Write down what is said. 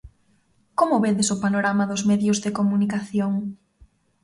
Como vedes o panorama dos medios de comunicación?